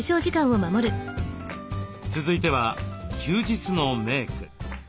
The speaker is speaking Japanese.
続いては休日のメーク。